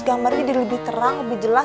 gambarnya jadi lebih terang lebih jelas